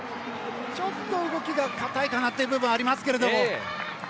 ちょっと動きが硬いかなという部分があります。